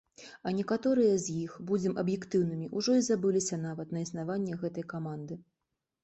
А некаторыя з іх, будзем аб'ектыўнымі, ужо і забыліся, нават, на існаванне гэтай каманды.